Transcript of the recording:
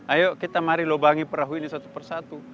ayo kita mari lubangi perahu ini satu persatu